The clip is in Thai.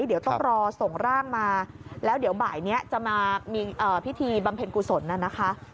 เดี๋ยวต้องรอส่งร่างมาแล้วเดี๋ยวบ่ายนี้จะมามีพิธีบำเพ็ญกุศลน่ะนะคะ